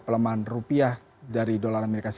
pelemahan rupiah dari dolar as